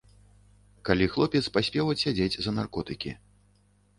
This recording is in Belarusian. Калі хлопец паспеў адсядзець за наркотыкі.